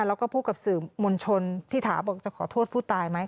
แล้วก็พูดกับสื่อมวลชนที่ถาบอกจะขอโทษผู้ตายไหม